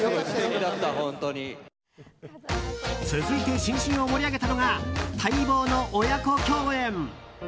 続いて新春を盛り上げたのは待望の親子共演。